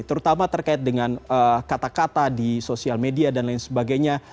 terutama terkait dengan kata kata di sosial media dan lain sebagainya